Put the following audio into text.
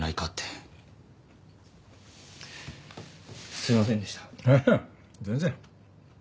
全然。